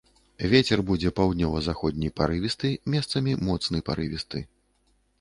Вецер будзе паўднёва-заходні парывісты, месцамі моцны парывісты.